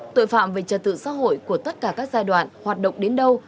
tội phạm về trật tự xã hội của tất cả các giai đoạn hoạt động đến đâu